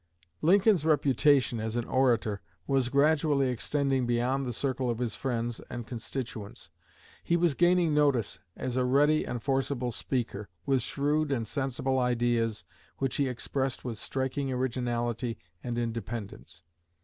Lincoln's reputation as an orator was gradually extending beyond the circle of his friends and constituents. He was gaining notice as a ready and forcible speaker, with shrewd and sensible ideas which he expressed with striking originality and independence.